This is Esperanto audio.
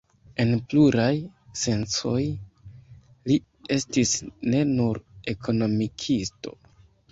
En pluraj sencoj li estis ne nur ekonomikisto.